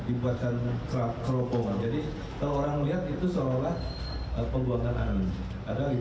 dibuatkan kerokokan jadi kalau orang melihat itu seolah olah pembuangan angin